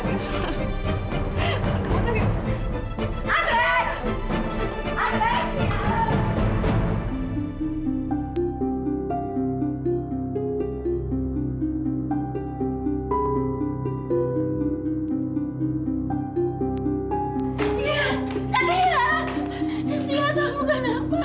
satria kamu kenapa